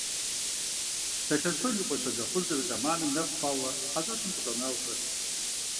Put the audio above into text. Талъостэн и къуэ Щолэхъужьыр а зэманым нэф хъуауэ хьэщӀэщым къыщӀэнауэ щӀэст.